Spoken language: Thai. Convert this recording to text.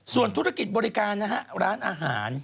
ส่วนธุรกิจบริการนะฮะร้านอาหาร